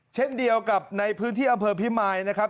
เช่นเดียวกับในพื้นที่อำเภอพิมายนะครับ